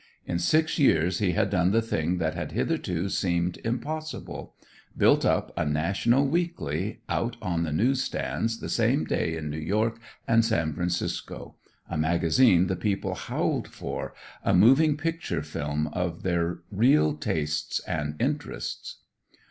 In six years he had done the thing that had hitherto seemed impossible: built up a national weekly, out on the news stands the same day in New York and San Francisco; a magazine the people howled for, a moving picture film of their real tastes and interests.